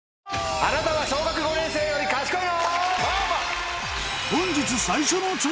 あなたは小学５年生より賢いの？